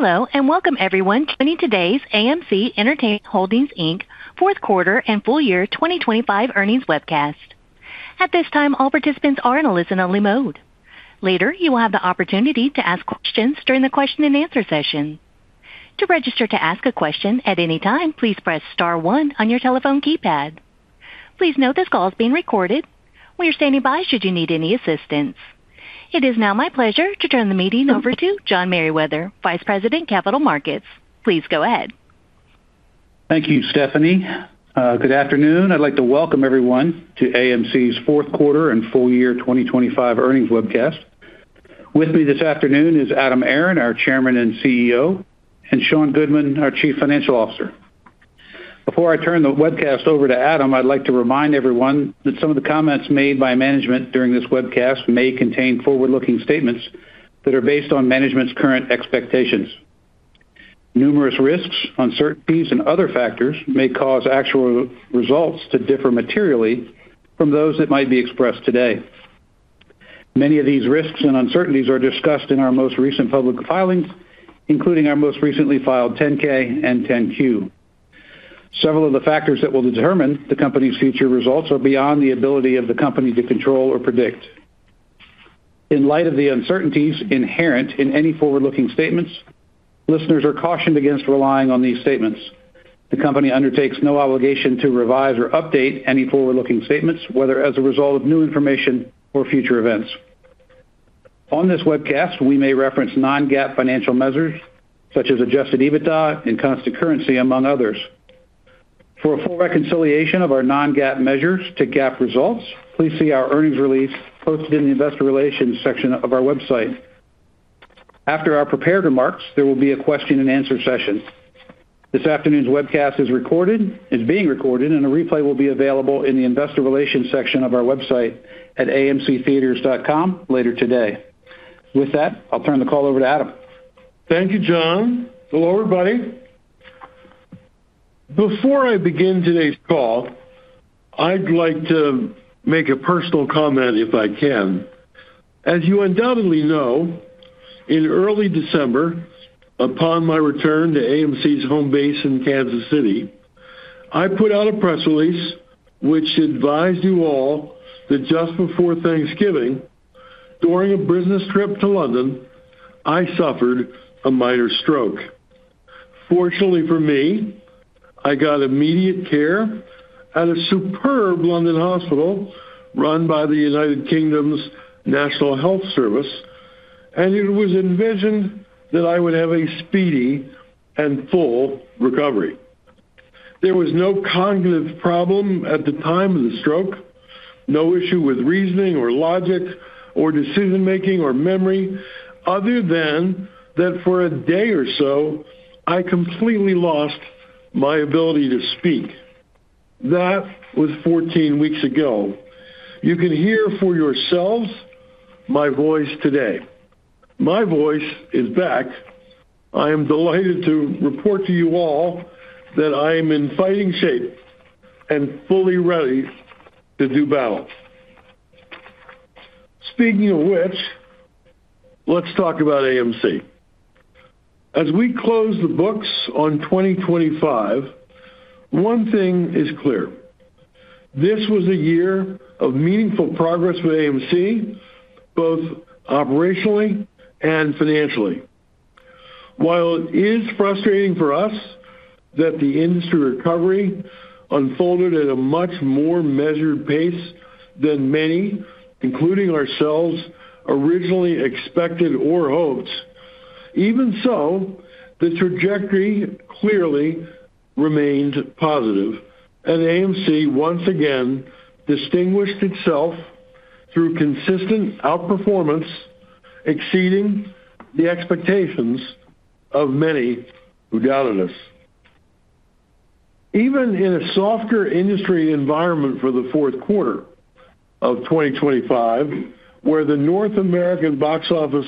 Hello, welcome everyone to today's AMC Entertainment Holdings, Inc. fourth quarter and full year 2025 earnings webcast. At this time, all participants are in a listen-only mode. Later, you will have the opportunity to ask questions during the question-and-answer session. To register to ask a question at any time, please press star one on your telephone keypad. Please note this call is being recorded. We are standing by should you need any assistance. It is now my pleasure to turn the meeting over to John Merriwether, Vice President, Capital Markets. Please go ahead. Thank you, Stephanie. Good afternoon. I'd like to welcome everyone to AMC's fourth quarter and full year 2025 earnings webcast. With me this afternoon is Adam Aron, our Chairman and CEO, and Sean Goodman, our Chief Financial Officer. Before I turn the webcast over to Adam, I'd like to remind everyone that some of the comments made by management during this webcast may contain forward-looking statements that are based on management's current expectations. Numerous risks, uncertainties, and other factors may cause actual results to differ materially from those that might be expressed today. Many of these risks and uncertainties are discussed in our most recent public filings, including our most recently filed 10-K and 10-Q. Several of the factors that will determine the company's future results are beyond the ability of the company to control or predict. In light of the uncertainties inherent in any forward-looking statements, listeners are cautioned against relying on these statements. The company undertakes no obligation to revise or update any forward-looking statements, whether as a result of new information or future events. On this webcast, we may reference non-GAAP financial measures, such as adjusted EBITDA and constant currency, among others. For a full reconciliation of our non-GAAP measures to GAAP results, please see our earnings release posted in the investor relations section of our website. After our prepared remarks, there will be a question-and-answer session. This afternoon's webcast is being recorded, and a replay will be available in the investor relations section of our website at amctheatres.com later today. With that, I'll turn the call over to Adam. Thank you, John. Hello, everybody. Before I begin today's call, I'd like to make a personal comment, if I can. As you undoubtedly know, in early December, upon my return to AMC's home base in Kansas City, I put out a press release which advised you all that just before Thanksgiving, during a business trip to London, I suffered a minor stroke. Fortunately for me, I got immediate care at a superb London hospital run by the United Kingdom's National Health Service. It was envisioned that I would have a speedy and full recovery. There was no cognitive problem at the time of the stroke, no issue with reasoning or logic or decision-making or memory, other than that for a day or so, I completely lost my ability to speak. That was 14 weeks ago. You can hear for yourselves my voice today. My voice is back. I am delighted to report to you all that I am in fighting shape and fully ready to do battle. Speaking of which, let's talk about AMC. As we close the books on 2025, one thing is clear: this was a year of meaningful progress for AMC, both operationally and financially. While it is frustrating for us that the industry recovery unfolded at a much more measured pace than many, including ourselves, originally expected or hoped, even so, the trajectory clearly remained positive. AMC once again distinguished itself through consistent outperformance, exceeding the expectations of many who doubted us. Even in a softer industry environment for the fourth quarter of 2025, where the North American box office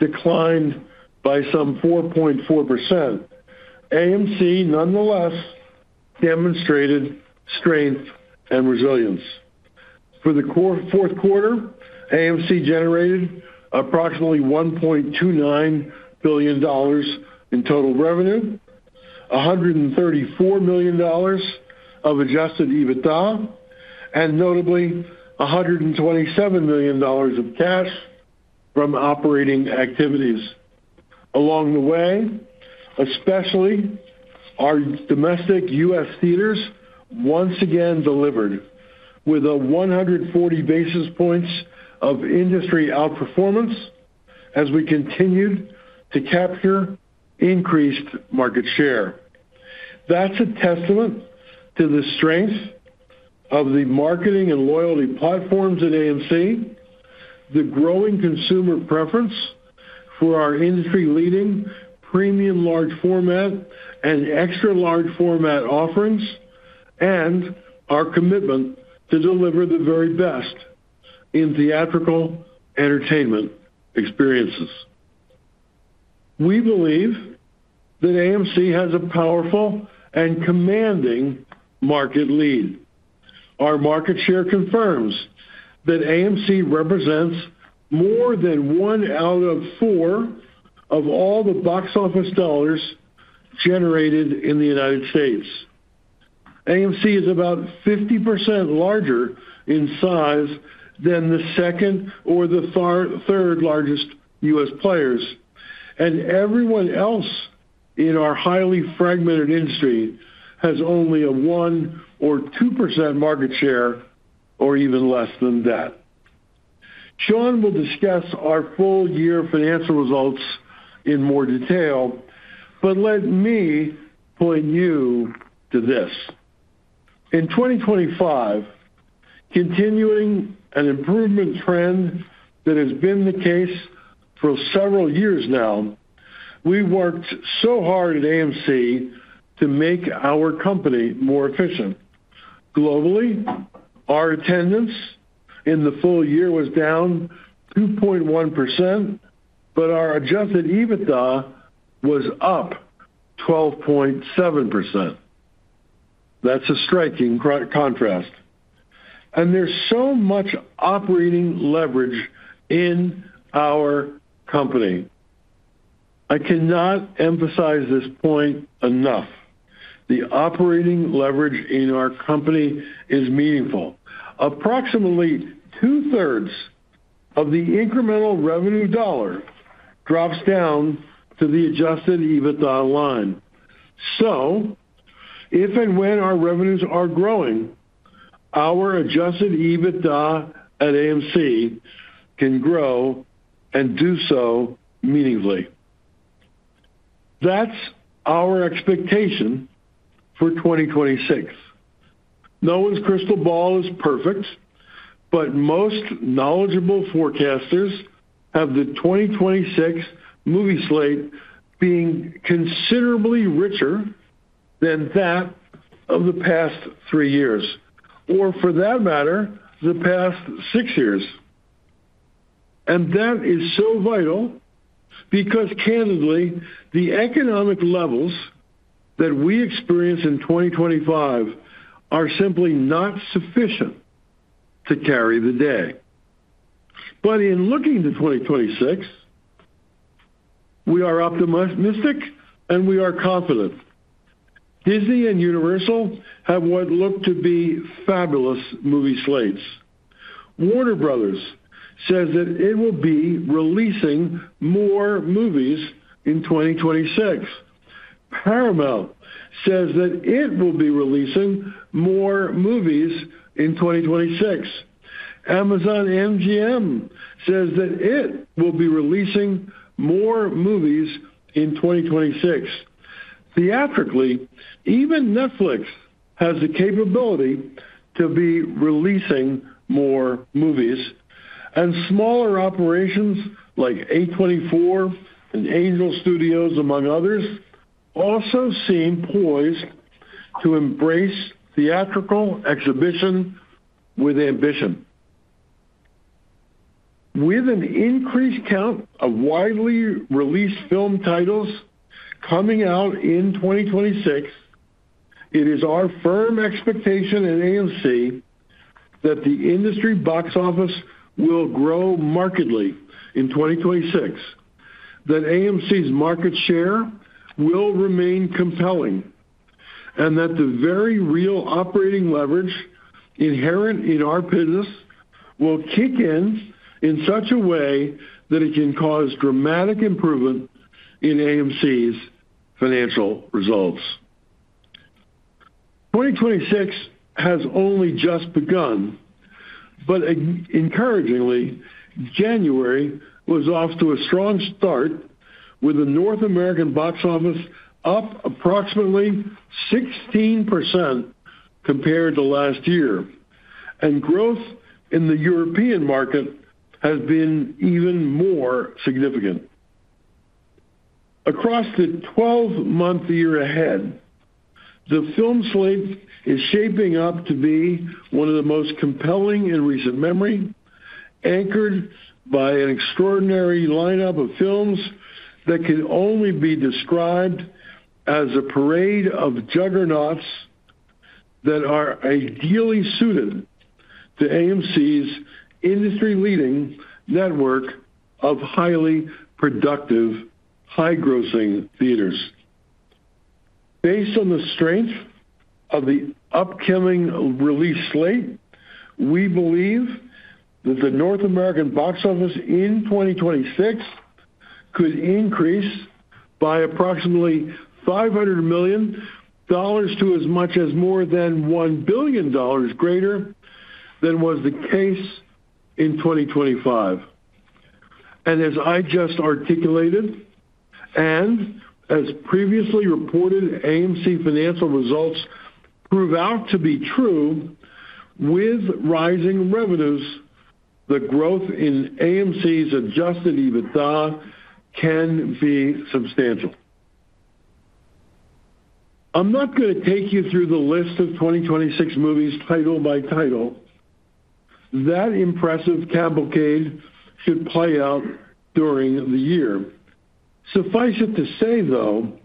declined by some 4.4%, AMC nonetheless demonstrated strength and resilience. For the fourth quarter, AMC generated approximately $1.29 billion in total revenue, $134 million of adjusted EBITDA, and notably, $127 million of cash from operating activities. Along the way, especially our domestic U.S. theaters once again delivered with a 140 basis points of industry outperformance as we continued to capture increased market share. That's a testament to the strength of the marketing and loyalty platforms at AMC, the growing consumer preference for our industry-leading premium large format and extra large format offerings, and our commitment to deliver the very best in theatrical entertainment experiences. We believe that AMC has a powerful and commanding market lead. Our market share confirms that AMC represents more than one out of four of all the box office dollars generated in the United States. AMC is about 50% larger in size than the second or third largest U.S. players, everyone else in our highly fragmented industry has only a 1% or 2% market share or even less than that. Sean will discuss our full year financial results in more detail, let me point you to this. In 2025, continuing an improvement trend that has been the case for several years now, we've worked so hard at AMC to make our company more efficient. Globally, our attendance in the full year was down 2.1%, our adjusted EBITDA was up 12.7%. That's a striking contrast, there's so much operating leverage in our company. I cannot emphasize this point enough. The operating leverage in our company is meaningful. Approximately two-thirds of the incremental revenue $ drops down to the adjusted EBITDA line. If and when our revenues are growing, our adjusted EBITDA at AMC can grow and do so meaningfully. That's our expectation for 2026. No one's crystal ball is perfect, but most knowledgeable forecasters have the 2026 movie slate being considerably richer than that of the past three years, or for that matter, the past 6 years. That is so vital because, candidly, the economic levels that we experienced in 2025 are simply not sufficient to carry the day. In looking to 2026, we are optimistic, and we are confident. Disney and Universal have what look to be fabulous movie slates. Warner Bros. says that it will be releasing more movies in 2026. Paramount says that it will be releasing more movies in 2026. Amazon MGM says that it will be releasing more movies in 2026. Theatrically, even Netflix has the capability to be releasing more movies, and smaller operations like A24 and Angel Studios, among others, also seem poised to embrace theatrical exhibition with ambition. With an increased count of widely released film titles coming out in 2026, it is our firm expectation at AMC that the industry box office will grow markedly in 2026, that AMC's market share will remain compelling, and that the very real operating leverage inherent in our business will kick in such a way that it can cause dramatic improvement in AMC's financial results. 2026 has only just begun, but encouragingly, January was off to a strong start with the North American box office up approximately 16% compared to last year, and growth in the European market has been even more significant. Across the 12-month year ahead, the film slate is shaping up to be one of the most compelling in recent memory, anchored by an extraordinary lineup of films that can only be described as a parade of juggernauts that are ideally suited to AMC's industry-leading network of highly productive, high-grossing theaters. Based on the strength of the upcoming release slate, we believe that the North American box office in 2026 could increase by approximately $500 million to as much as more than $1 billion greater than was the case in 2025. As I just articulated, and as previously reported, AMC financial results prove out to be true. With rising revenues, the growth in AMC's adjusted EBITDA can be substantial. I'm not going to take you through the list of 2026 movies title by title. That impressive cavalcade should play out during the year. Suffice it to say, though,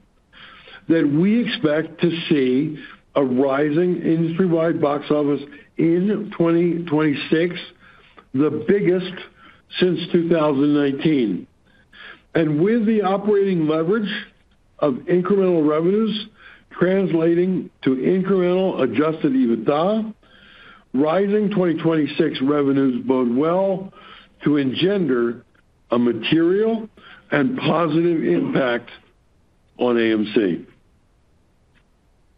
that we expect to see a rising industry-wide box office in 2026, the biggest since 2019. With the operating leverage of incremental revenues translating to incremental adjusted EBITDA, rising 2026 revenues bode well to engender a material and positive impact on AMC.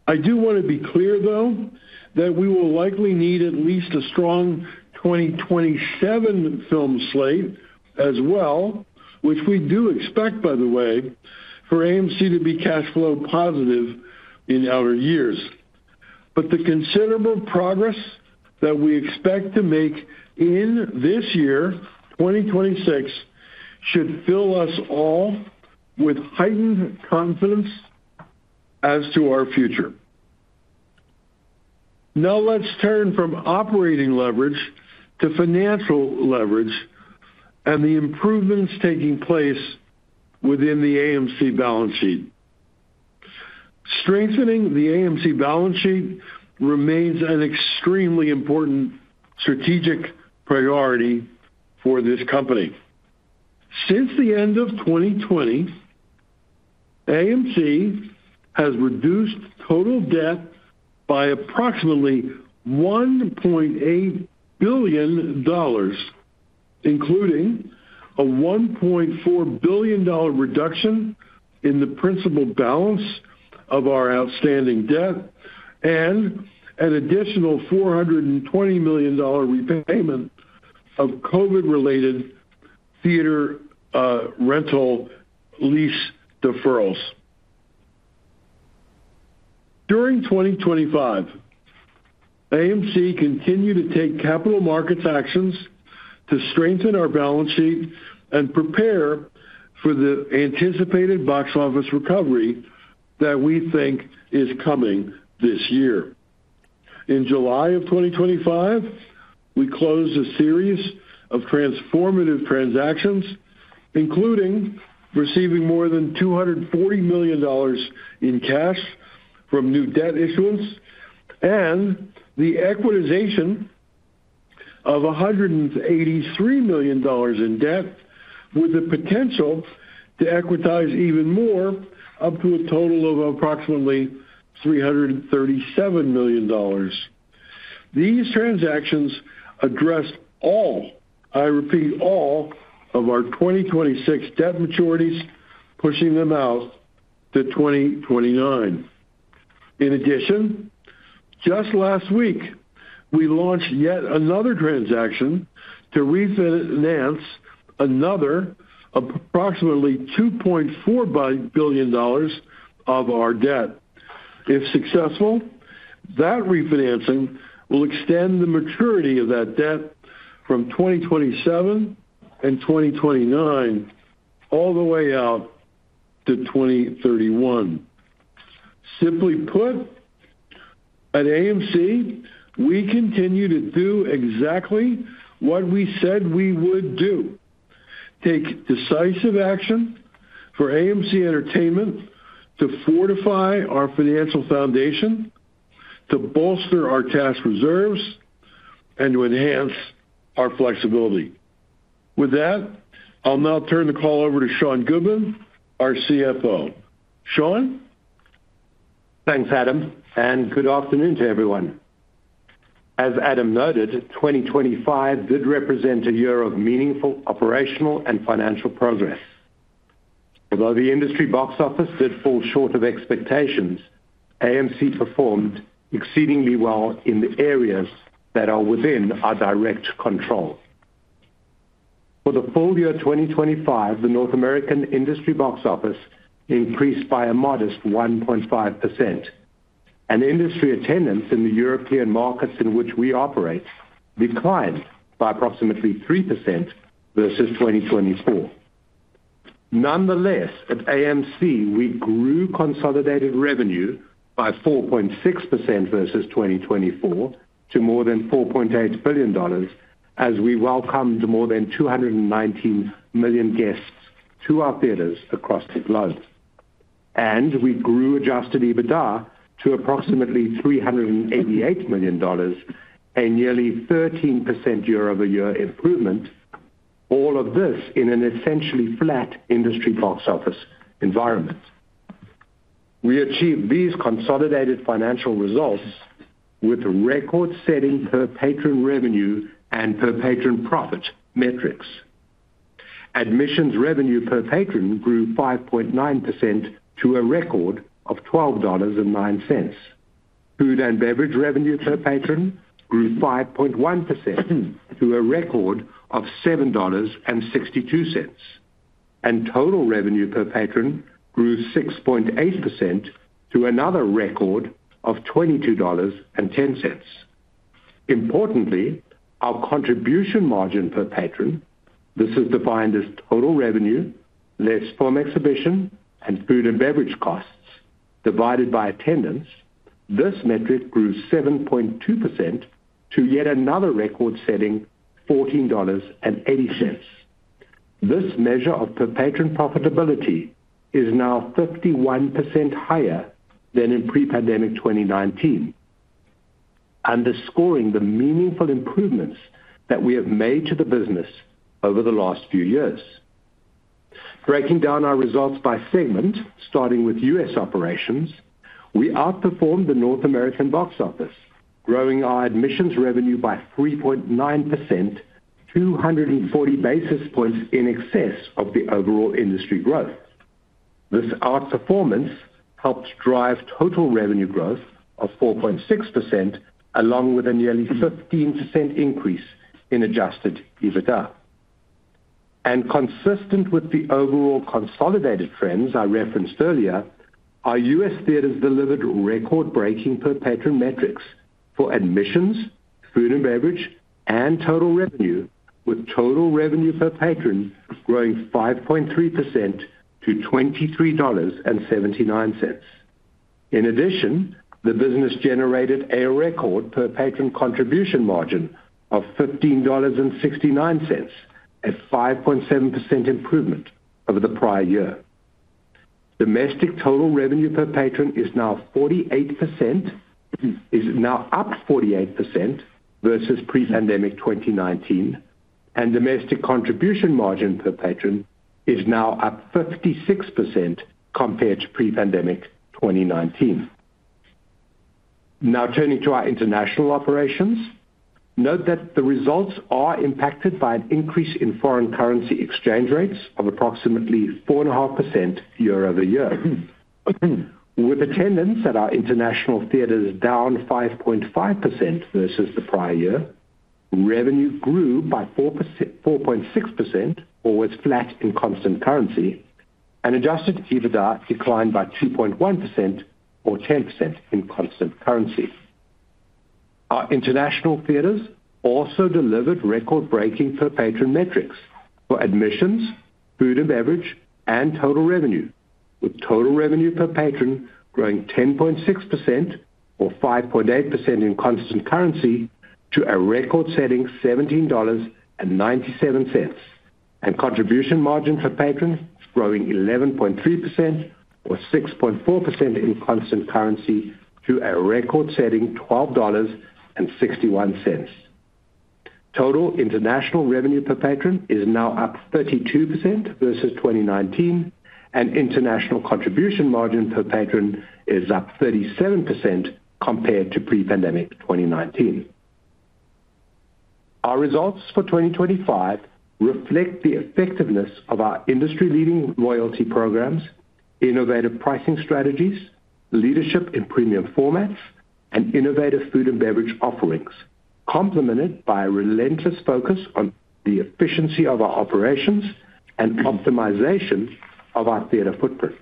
I do want to be clear, though, that we will likely need at least a strong 2027 film slate as well, which we do expect, by the way, for AMC to be cash flow positive in our years. The considerable progress that we expect to make in this year, 2026, should fill us all with heightened confidence as to our future. Now, let's turn from operating leverage to financial leverage and the improvements taking place within the AMC balance sheet. Strengthening the AMC balance sheet remains an extremely important strategic priority for this company. Since the end of 2020, AMC has reduced total debt by approximately $1.8 billion, including a $1.4 billion reduction in the principal balance of our outstanding debt and an additional $420 million repayment of COVID-related theater rental lease deferrals. During 2025, AMC continued to take capital markets actions to strengthen our balance sheet and prepare for the anticipated box office recovery that we think is coming this year. In July of 2025, we closed a series of transformative transactions, including receiving more than $240 million in cash from new debt issuance and the equitization of $183 million in debt, with the potential to equitize even more, up to a total of approximately $337 million. These transactions addressed all, I repeat, all of our 2026 debt maturities, pushing them out to 2029. In addition, just last week, we launched yet another transaction to refinance another approximately $2.4 billion of our debt. If successful, that refinancing will extend the maturity of that debt from 2027 and 2029 all the way out to 2031. Simply put, at AMC, we continue to do exactly what we said we would do: take decisive action for AMC Entertainment to fortify our financial foundation, to bolster our cash reserves, and to enhance our flexibility. With that, I'll now turn the call over to Sean Goodman, our CFO. Sean? Thanks, Adam, and good afternoon to everyone. As Adam noted, 2025 did represent a year of meaningful operational and financial progress. Although the industry box office did fall short of expectations, AMC performed exceedingly well in the areas that are within our direct control. For the full year 2025, the North American industry box office increased by a modest 1.5%, and industry attendance in the European markets in which we operate declined by approximately 3% versus 2024. Nonetheless, at AMC, we grew consolidated revenue by 4.6% versus 2024 to more than $4.8 billion as we welcomed more than 219 million guests to our theaters across the globe. We grew adjusted EBITDA to approximately $388 million, a nearly 13% year-over-year improvement, all of this in an essentially flat industry box office environment. We achieved these consolidated financial results with record-setting per-patron revenue and per-patron profit metrics. Admissions revenue per patron grew 5.9% to a record of $12.09. Food and beverage revenue per patron grew 5.1% to a record of $7.62. Total revenue per patron grew 6.8% to another record of $22.10. Importantly, our contribution margin per patron. This is defined as total revenue, less film exhibition and food and beverage costs, divided by attendance. This metric grew 7.2% to yet another record-setting $14.80. This measure of per-patron profitability is now 51% higher than in pre-pandemic 2019, underscoring the meaningful improvements that we have made to the business over the last few years. Breaking down our results by segment, starting with U.S. operations, we outperformed the North American box office, growing our admissions revenue by 3.9%, 240 basis points in excess of the overall industry growth. This outperformance helped drive total revenue growth of 4.6%, along with a nearly 15% increase in adjusted EBITDA. Consistent with the overall consolidated trends I referenced earlier, our U.S. theaters delivered record-breaking per-patron metrics for admissions, food and beverage, and total revenue, with total revenue per patron growing 5.3% to $23.79. In addition, the business generated a record per-patron contribution margin of $15.69, a 5.7% improvement over the prior year. Domestic total revenue per patron is now up 48% versus pre-pandemic 2019, and domestic contribution margin per patron is now up 56% compared to pre-pandemic 2019. Turning to our international operations. Note that the results are impacted by an increase in foreign currency exchange rates of approximately 4.5% year-over-year. With attendance at our international theaters down 5.5% versus the prior year, revenue grew by 4.6% or was flat in constant currency, and adjusted EBITDA declined by 2.1% or 10% in constant currency. Our international theaters also delivered record-breaking per-patron metrics for admissions, food and beverage, and total revenue, with total revenue per patron growing 10.6% or 5.8% in constant currency to a record-setting $17.97, and contribution margin per patron growing 11.3% or 6.4% in constant currency to a record-setting $12.61. Total international revenue per patron is now up 32% versus 2019, and international contribution margin per patron is up 37% compared to pre-pandemic 2019. Our results for 2025 reflect the effectiveness of our industry-leading loyalty programs, innovative pricing strategies, leadership in premium formats, and innovative food and beverage offerings, complemented by a relentless focus on the efficiency of our operations and optimization of our theater footprint.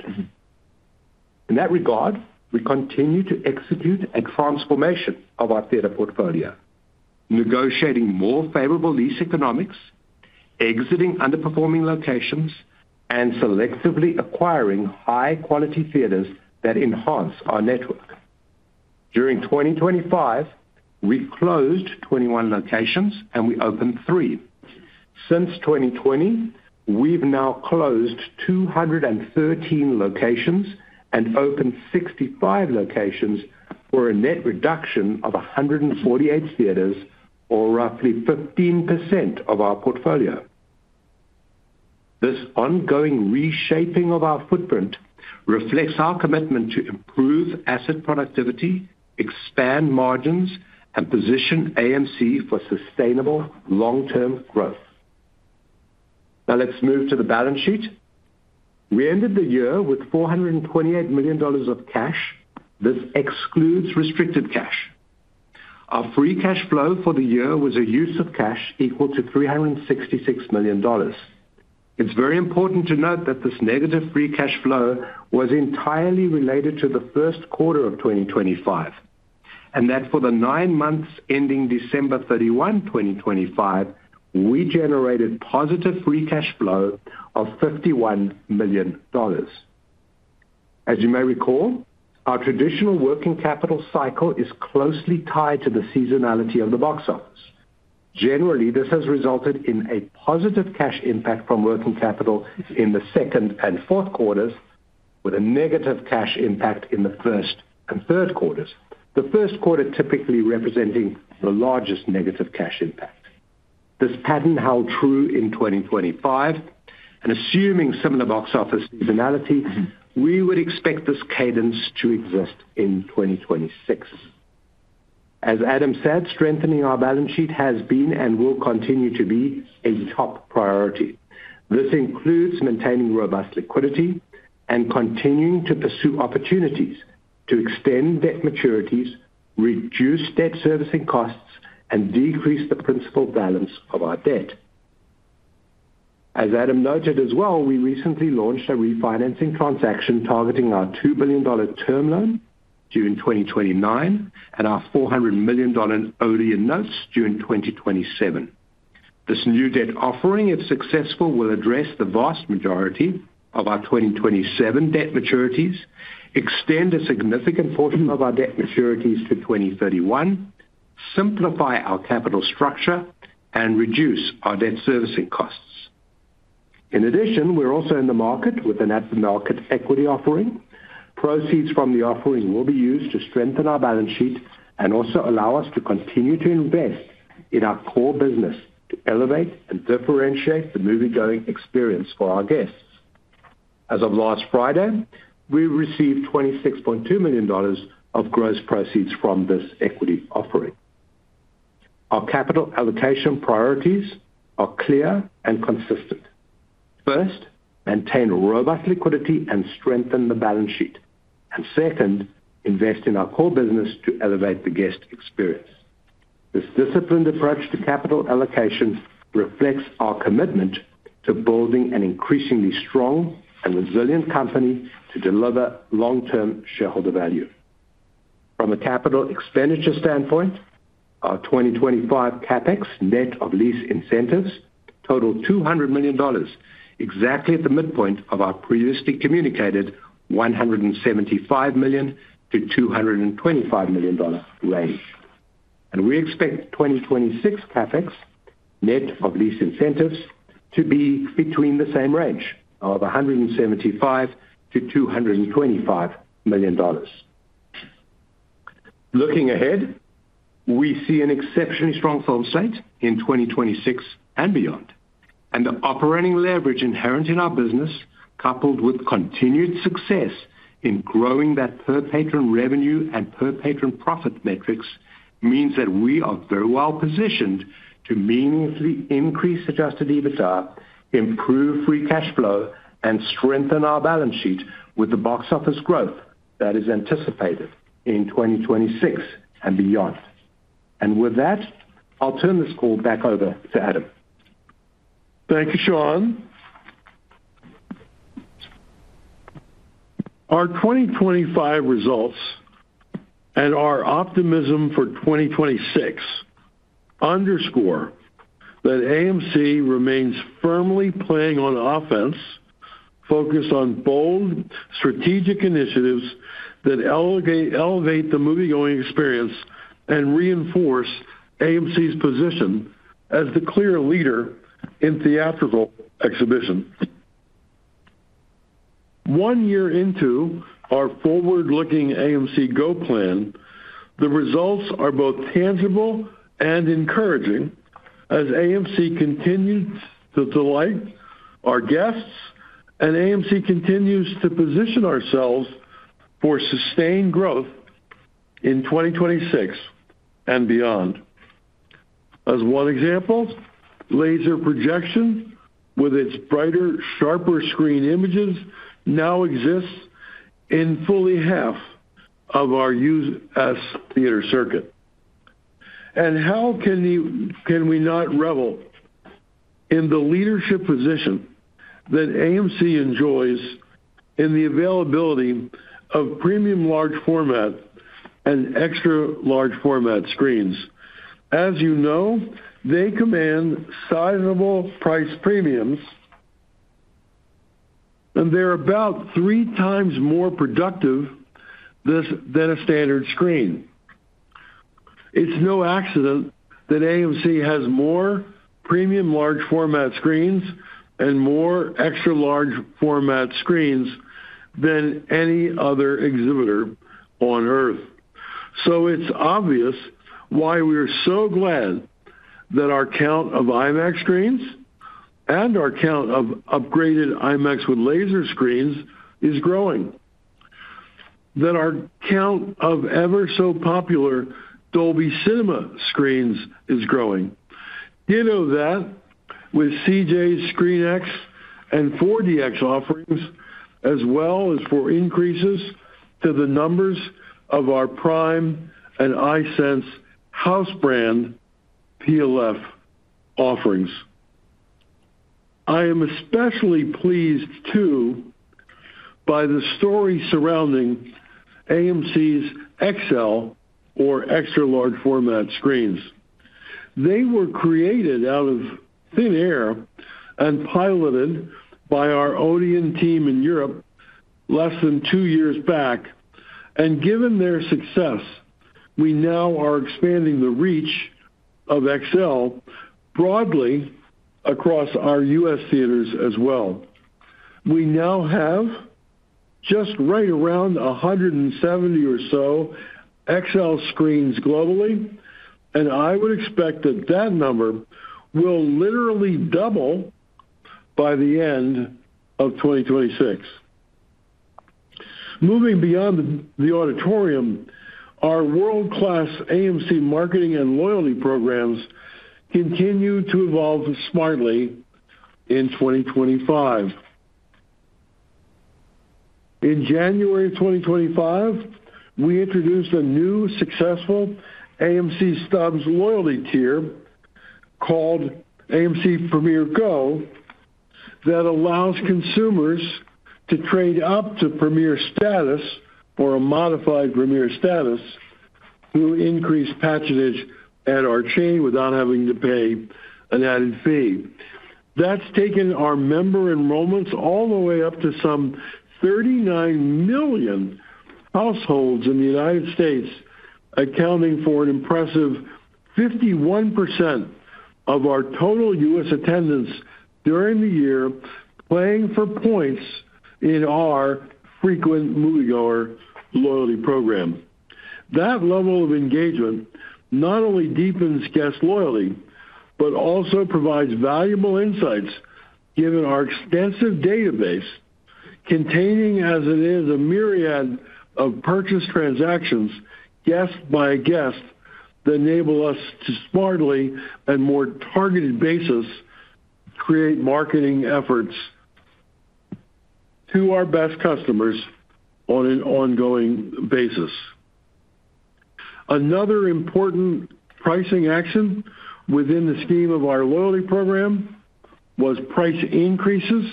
In that regard, we continue to execute a transformation of our theater portfolio, negotiating more favorable lease economics, exiting underperforming locations, and selectively acquiring high-quality theaters that enhance our network. During 2025, we closed 21 locations, and we opened three. Since 2020, we've now closed 213 locations and opened 65 locations, for a net reduction of 148 theaters or roughly 15% of our portfolio. This ongoing reshaping of our footprint reflects our commitment to improve asset productivity, expand margins, and position AMC for sustainable long-term growth. Now let's move to the balance sheet. We ended the year with $428 million of cash. This excludes restricted cash. Our free cash flow for the year was a use of cash equal to $366 million. It's very important to note that this negative free cash flow was entirely related to the first quarter of 2025, and that for the nine months ending December 31, 2025, we generated positive free cash flow of $51 million. As you may recall, our traditional working capital cycle is closely tied to the seasonality of the box office. Generally, this has resulted in a positive cash impact from working capital in the second and fourth quarters, with a negative cash impact in the first and third quarters. The first quarter typically representing the largest negative cash impact. This pattern held true in 2025, and assuming similar box office seasonality, we would expect this cadence to exist in 2026. As Adam said, strengthening our balance sheet has been and will continue to be a top priority. This includes maintaining robust liquidity and continuing to pursue opportunities to extend debt maturities, reduce debt servicing costs, and decrease the principal balance of our debt. As Adam noted as well, we recently launched a refinancing transaction targeting our $2 billion term loan due in 2029, and our $400 million Odeon notes due in 2027. This new debt offering, if successful, will address the vast majority of our 2027 debt maturities, extend a significant portion of our debt maturities to 2031, simplify our capital structure, and reduce our debt servicing costs. We're also in the market with an at-the-market equity offering. Proceeds from the offering will be used to strengthen our balance sheet and also allow us to continue to invest in our core business to elevate and differentiate the moviegoing experience for our guests. As of last Friday, we received $26.2 million of gross proceeds from this equity offering. Our capital allocation priorities are clear and consistent. First, maintain robust liquidity and strengthen the balance sheet. Second, invest in our core business to elevate the guest experience. This disciplined approach to capital allocation reflects our commitment to building an increasingly strong and resilient company to deliver long-term shareholder value. From a capital expenditure standpoint, our 2025 CapEx, net of lease incentives, totaled $200 million, exactly at the midpoint of our previously communicated $175 million-$225 million range. We expect 2026 CapEx, net of lease incentives, to be between the same range of $175 million-$225 million. Looking ahead, we see an exceptionally strong film slate in 2026 and beyond, and the operating leverage inherent in our business, coupled with continued success in growing that per-patron revenue and per-patron profit metrics, means that we are very well positioned to meaningfully increase adjusted EBITDA, improve free cash flow, and strengthen our balance sheet with the box office growth that is anticipated in 2026 and beyond. With that, I'll turn this call back over to Adam. Thank you, Sean. Our 2025 results and our optimism for 2026 underscore that AMC remains firmly playing on offense, focused on bold, strategic initiatives that elevate the moviegoing experience and reinforce AMC's position as the clear leader in theatrical exhibition. One year into our forward-looking AMC Go Plan, the results are both tangible and encouraging as AMC continues to delight our guests, and AMC continues to position ourselves for sustained growth in 2026 and beyond. As one example, laser projection, with its brighter, sharper screen images, now exists in fully half of our U.S. theater circuit. How can we not revel in the leadership position that AMC enjoys in the availability of premium large format and extra large format screens? As you know, they command sizable price premiums, and they're about three times more productive than a standard screen. It's no accident that AMC has more premium large format screens and more extra large format screens than any other exhibitor on Earth. It's obvious why we are so glad that our count of IMAX screens and our count of upgraded IMAX with Laser screens is growing, that our count of ever-so-popular Dolby Cinema screens is growing. You know that with CJ's ScreenX and 4DX offerings, as well as for increases to the numbers of our PRIME and iSense house brand PLF offerings. I am especially pleased, too, by the story surrounding AMC's XL or extra-large format screens. They were created out of thin air and piloted by our Odeon team in Europe less than two years back, and given their success, we now are expanding the reach of XL broadly across our U.S. theaters as well. We now have just right around 170 or so XL screens globally. I would expect that that number will literally double by the end of 2026. Moving beyond the auditorium, our world-class AMC marketing and loyalty programs continued to evolve smartly in 2025. In January of 2025, we introduced a new successful AMC Stubs loyalty tier called AMC Premiere GO!, that allows consumers to trade up to Premiere status or a modified Premiere status to increase patronage at our chain without having to pay an added fee. That's taken our member enrollments all the way up to some 39 million households in the U.S., accounting for an impressive 51% of our total U.S. attendance during the year, playing for points in our frequent moviegoer loyalty program. That level of engagement not only deepens guest loyalty, but also provides valuable insights, given our extensive database, containing as it is, a myriad of purchase transactions, guest by guest, that enable us to smartly and more targeted basis, create marketing efforts to our best customers on an ongoing basis. Another important pricing action within the scheme of our loyalty program was price increases,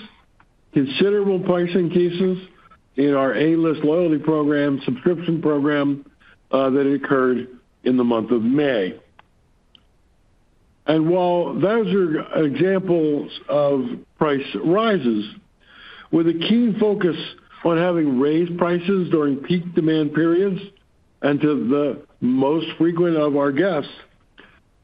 considerable price increases in our A-List loyalty program, subscription program, that occurred in the month of May. While those are examples of price rises, with a keen focus on having raised prices during peak demand periods and to the most frequent of our guests,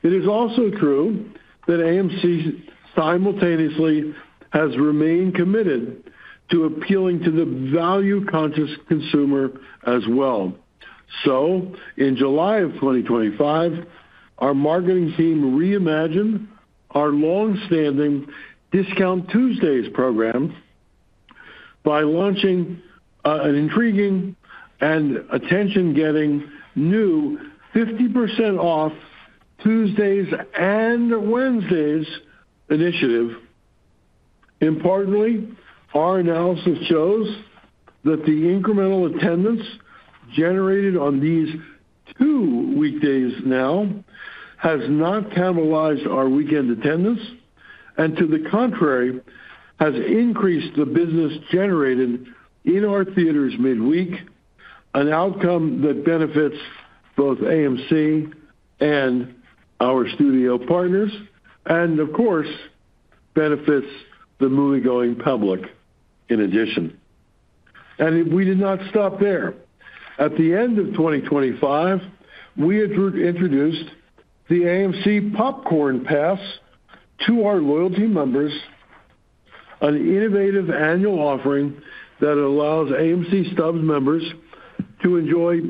it is also true that AMC simultaneously has remained committed to appealing to the value-conscious consumer as well. In July of 2025, our marketing team reimagined our long-standing Discount Tuesdays program by launching an intriguing and attention-getting new 50% off Tuesdays and Wednesdays initiative. Importantly, our analysis shows that the incremental attendance generated on these two weekdays now has not cannibalized our weekend attendance, and to the contrary, has increased the business generated in our theaters midweek, an outcome that benefits both AMC and our studio partners and, of course, benefits the moviegoing public in addition. We did not stop there. At the end of 2025, we introduced the AMC Popcorn Pass to our loyalty members, an innovative annual offering that allows AMC Stubs members to enjoy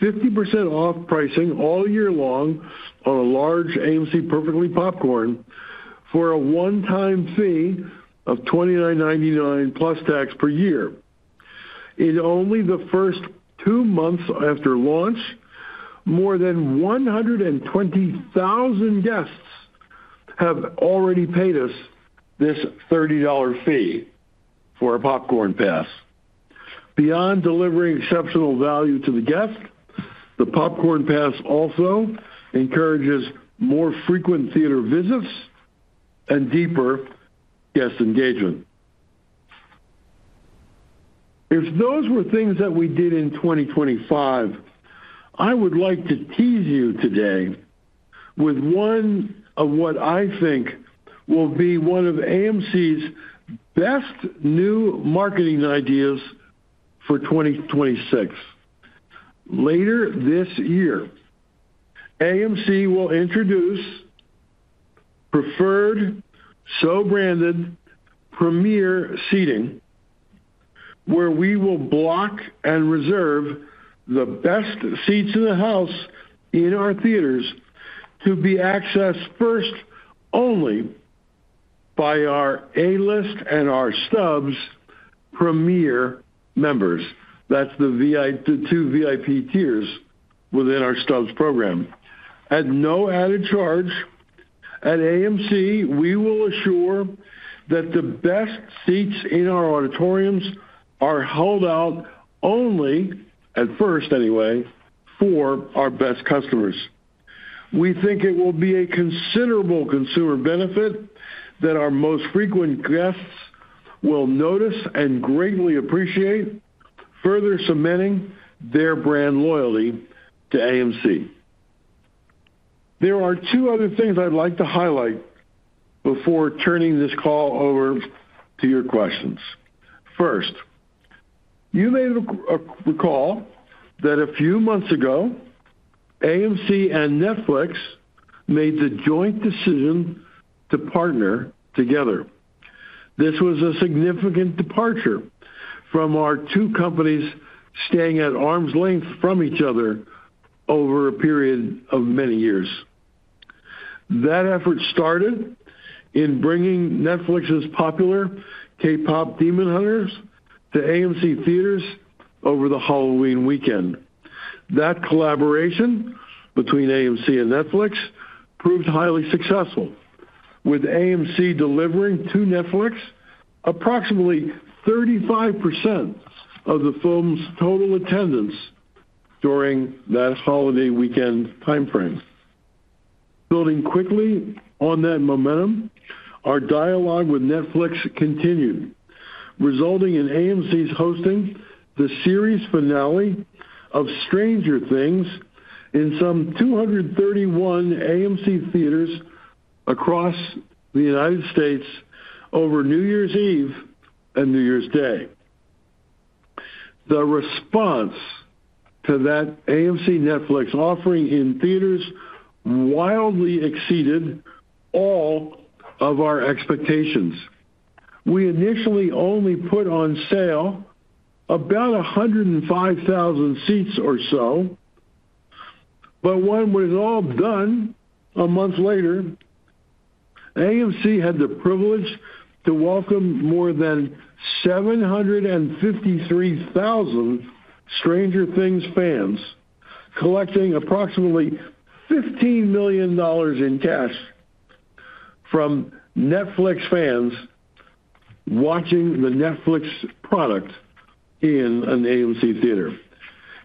50% off pricing all year long on a large AMC Perfectly Popcorn for a one-time fee of $29.99 plus tax per year. In only the first two months after launch, more than 120,000 guests have already paid us this $30 fee for a Popcorn Pass. Beyond delivering exceptional value to the guest, the Popcorn Pass also encourages more frequent theater visits and deeper guest engagement. If those were things that we did in 2025, I would like to tease you today with one of what I think will be one of AMC's best new marketing ideas for 2026. Later this year, AMC will introduce preferred, so branded, Premiere seating, where we will block and reserve the best seats in the house in our theaters to be accessed first only by our A-List and our Stubs Premiere members. That's the two VIP tiers within our Stubs program. At no added charge, at AMC, we will assure that the best seats in our auditoriums are held out only, at first anyway, for our best customers. We think it will be a considerable consumer benefit that our most frequent guests will notice and greatly appreciate, further cementing their brand loyalty to AMC. There are two other things I'd like to highlight before turning this call over to your questions. First, you may recall that a few months ago, AMC and Netflix made the joint decision to partner together. This was a significant departure from our two companies staying at arm's length from each other over a period of many years. That effort started in bringing Netflix's popular KPop Demon Hunters to AMC theaters over the Halloween weekend. That collaboration between AMC and Netflix proved highly successful, with AMC delivering to Netflix approximately 35% of the film's total attendance during that holiday weekend time frame. Building quickly on that momentum, our dialogue with Netflix continued, resulting in AMC's hosting the series finale of Stranger Things in some 231 AMC theaters across the United States over New Year's Eve and New Year's Day. The response to that AMC Netflix offering in theaters wildly exceeded all of our expectations. We initially only put on sale about 105,000 seats or so, but when it was all done, a month later, AMC had the privilege to welcome more than 753,000 Stranger Things fans, collecting approximately $15 million in cash from Netflix fans watching the Netflix product in an AMC theater.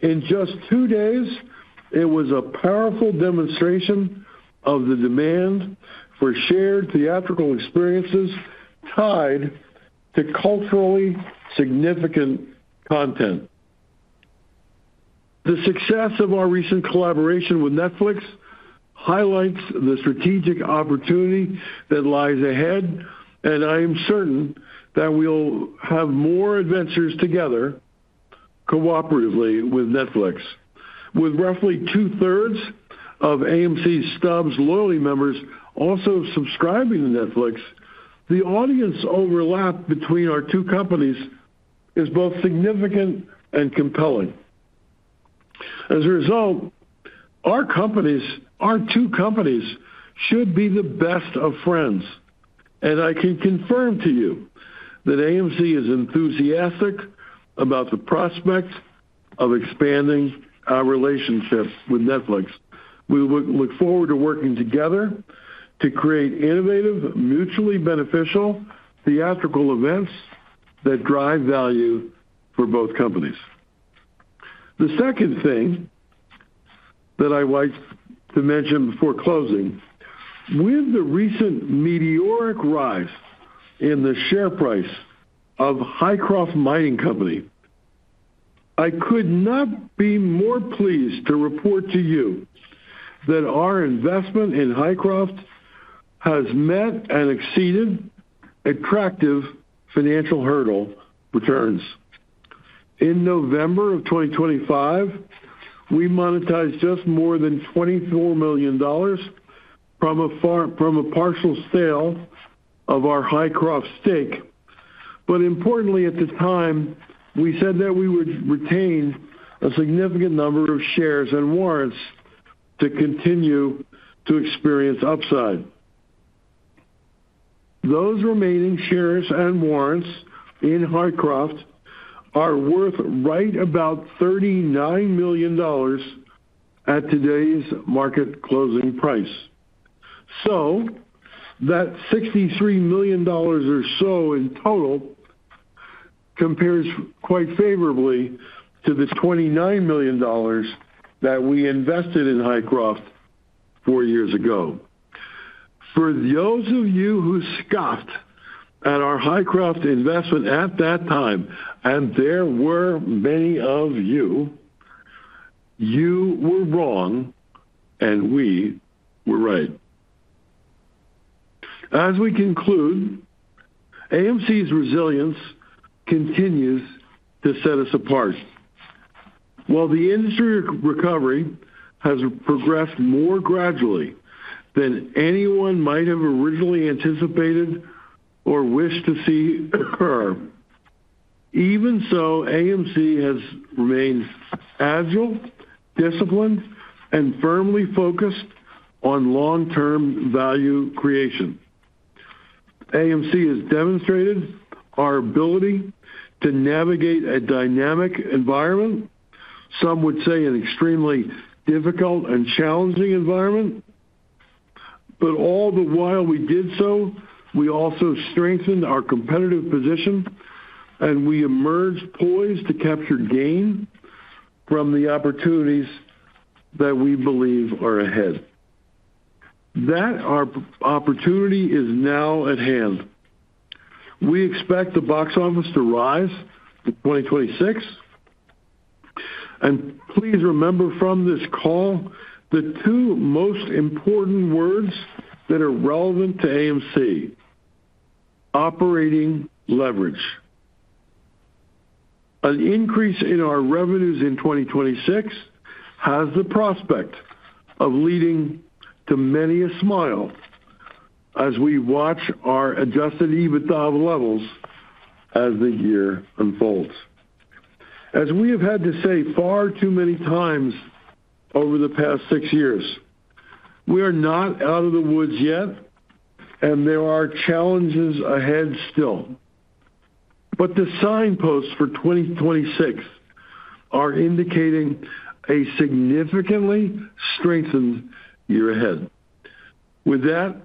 In just two days, it was a powerful demonstration of the demand for shared theatrical experiences tied to culturally significant content. The success of our recent collaboration with Netflix highlights the strategic opportunity that lies ahead, and I am certain that we'll have more adventures together cooperatively with Netflix. With roughly two-thirds of AMC Stubs loyalty members also subscribing to Netflix, the audience overlap between our two companies is both significant and compelling. As a result, our companies, our two companies, should be the best of friends, and I can confirm to you that AMC is enthusiastic about the prospects of expanding our relationship with Netflix. We look forward to working together to create innovative, mutually beneficial theatrical events that drive value for both companies. The second thing that I'd like to mention before closing, with the recent meteoric rise in the share price of Hycroft Mining Company, I could not be more pleased to report to you that our investment in Hycroft has met and exceeded attractive financial hurdle returns. In November of 2025, we monetized just more than $24 million from a partial sale of our Hycroft stake. Importantly, at the time, we said that we would retain a significant number of shares and warrants to continue to experience upside. Those remaining shares and warrants in Hycroft are worth right about $39 million at today's market closing price. That $63 million or so in total compares quite favorably to the $29 million that we invested in Hycroft four years ago. For those of you who scoffed at our Hycroft investment at that time, and there were many of you were wrong, and we were right. As we conclude, AMC's resilience continues to set us apart. While the industry recovery has progressed more gradually than anyone might have originally anticipated or wished to see occur, even so, AMC has remained agile, disciplined, and firmly focused on long-term value creation. AMC has demonstrated our ability to navigate a dynamic environment. Some would say an extremely difficult and challenging environment, but all the while we did so, we also strengthened our competitive position, and we emerged poised to capture gain from the opportunities that we believe are ahead. That our opportunity is now at hand. We expect the box office to rise in 2026. Please remember from this call, the two most important words that are relevant to AMC, operating leverage. An increase in our revenues in 2026 has the prospect of leading to many a smile as we watch our adjusted EBITDA levels as the year unfolds. As we have had to say far too many times over the past six years, we are not out of the woods yet. There are challenges ahead still. The signposts for 2026 are indicating a significantly strengthened year ahead. With that,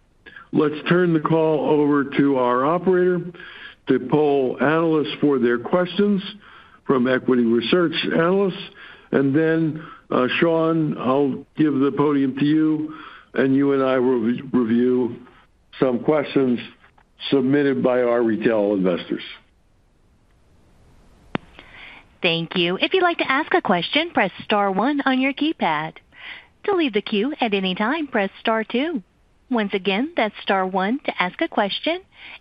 let's turn the call over to our operator to poll analysts for their questions from equity research analysts. Then, Sean, I'll give the podium to you. You and I will re-review some questions submitted by our retail investors. Thank you. If you'd like to ask a question, press star one on your keypad. To leave the queue at any time, press star two. Once again, that's star one to ask a question.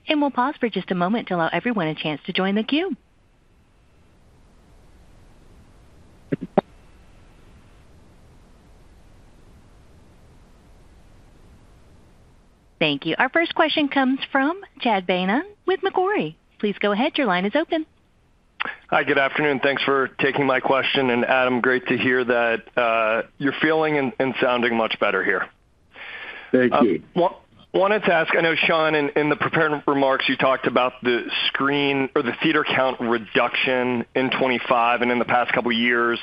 We'll pause for just a moment to allow everyone a chance to join the queue. Thank you. Our first question comes from Chad Beynon with Macquarie. Please go ahead. Your line is open. Hi, good afternoon. Thanks for taking my question, and Adam, great to hear that you're feeling and sounding much better here. Thank you. wanted to ask, I know, Sean, in the prepared remarks, you talked about the screen or the theater count reduction in 2025 and in the past couple of years.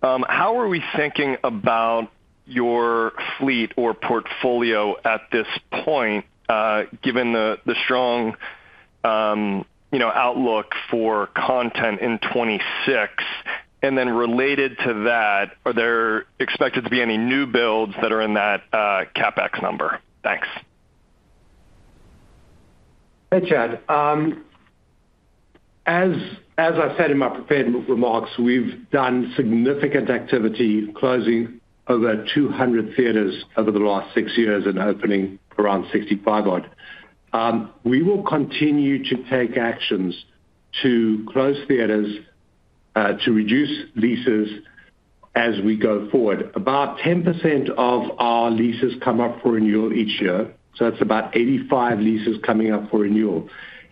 How are we thinking about your fleet or portfolio at this point, given the strong, you know, outlook for content in 2026? Then related to that, are there expected to be any new builds that are in that CapEx number? Thanks. Hey, Chad. As I said in my prepared remarks, we've done significant activity, closing over 200 theaters over the last six years and opening around 65 odd. We will continue to take actions to close theaters to reduce leases as we go forward. About 10% of our leases come up for renewal each year, so that's about 85 leases coming up for renewal.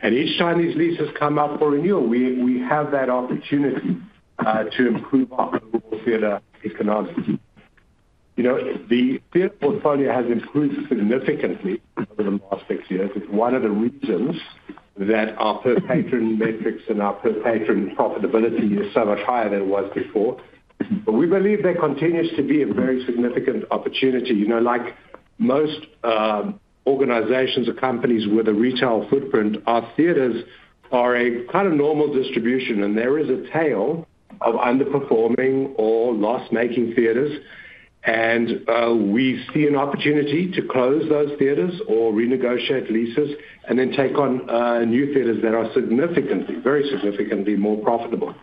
Each time these leases come up for renewal, we have that opportunity to improve our theater economics. You know, the theater portfolio has improved significantly over the last six years. It's one of the reasons that our per patron metrics and our per patron profitability is so much higher than it was before. We believe there continues to be a very significant opportunity. You know, like most organizations or companies with a retail footprint, our theaters are a kind of normal distribution, there is a tail of underperforming or loss-making theaters, we see an opportunity to close those theaters or renegotiate leases take on new theaters that are significantly, very significantly more profitable.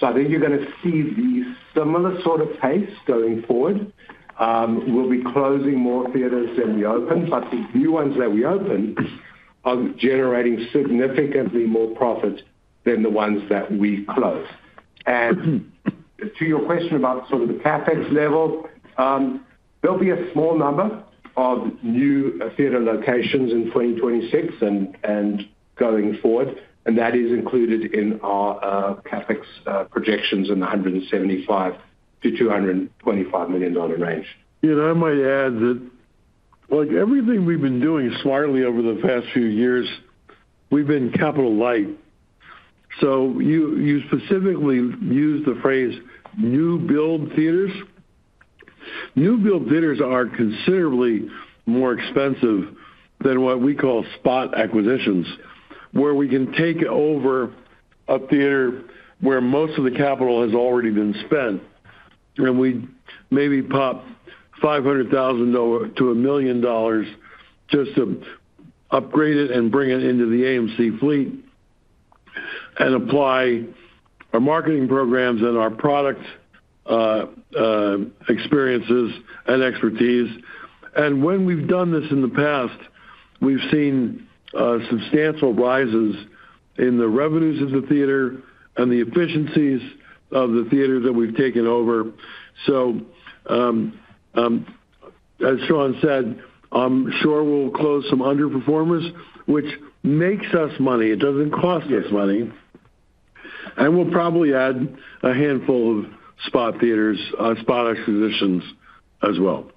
I think you're going to see the similar sort of pace going forward. We'll be closing more theaters than we open, the new ones that we open are generating significantly more profit than the ones that we close. To your question about sort of the CapEx level, there'll be a small number of new theater locations in 2026 and going forward, that is included in our CapEx projections in the $175 million-$225 million range. You know, I might add that, like everything we've been doing smartly over the past few years, we've been capital light. You specifically used the phrase new build theaters. New build theaters are considerably more expensive than what we call spot acquisitions, where we can take over a theater where most of the capital has already been spent, and we maybe pop $500,000 to $1 million just to upgrade it and bring it into the AMC fleet and apply our marketing programs and our product experiences and expertise. When we've done this in the past, we've seen substantial rises in the revenues of the theater and the efficiencies of the theater that we've taken over. As Sean said, I'm sure we'll close some underperformers, which makes us money. It doesn't cost us money. Yes. We'll probably add a handful of spot theaters, spot acquisitions as well.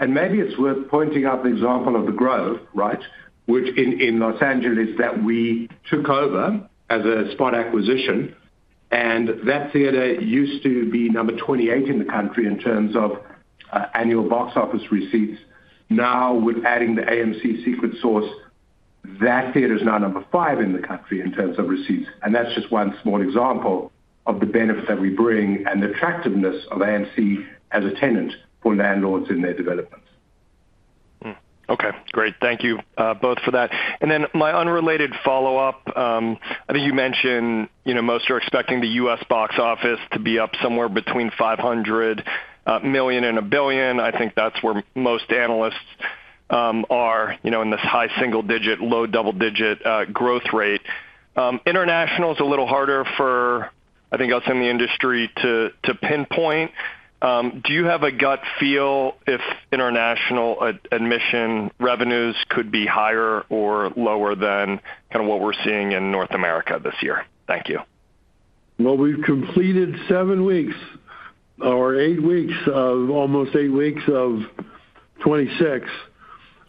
Maybe it's worth pointing out the example of The Grove, right? Which in Los Angeles, that we took over as a spot acquisition. That theater used to be number 28 in the country in terms of annual box office receipts. Now, with adding the AMC Screen Unseen, that theater is now number five in the country in terms of receipts. That's just one small example of the benefit that we bring and the attractiveness of AMC as a tenant for landlords in their developments. Okay, great. Thank you both for that. My unrelated follow-up, I think you mentioned, you know, most are expecting the U.S. box office to be up somewhere between $500 million and $1 billion. I think that's where most analysts are, you know, in this high single-digit, low double-digit growth rate. International is a little harder for, I think, elsewhere in the industry to pinpoint. Do you have a gut feel if international ad-admission revenues could be higher or lower than kind of what we're seeing in North America this year? Thank you. We've completed seven weeks or eight weeks of almost eight weeks of 26,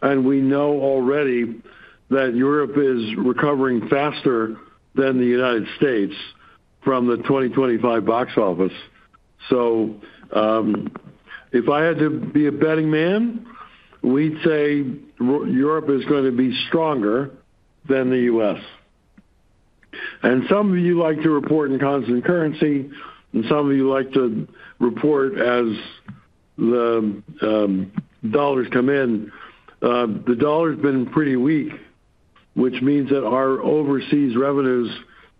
and we know already that Europe is recovering faster than the United States from the 2025 box office. If I had to be a betting man, we'd say Europe is going to be stronger than the U.S. Some of you like to report in constant currency, and some of you like to report as the dollars come in. The dollar's been pretty weak, which means that our overseas revenues